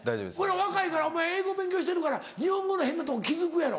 若いからお前英語勉強してるから日本語の変なとこ気付くやろ。